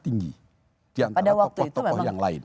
tinggi di antara tokoh tokoh yang lain